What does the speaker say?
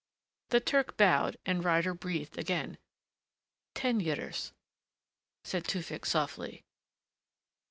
The Turk bowed and Ryder breathed again. "Ten years," said Tewfick softly.